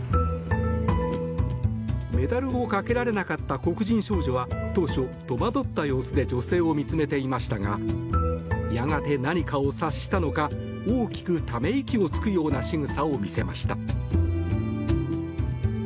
メダルをかけられなかった黒人少女は当初戸惑った様子で女性を見つめていましたがやがて、何かを察したのか大きくため息をつくようなしぐさを見せました。